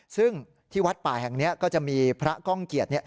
ซึ่งที่วัดป่าแห่งนี้ก็จะมีพระก้องเกียจ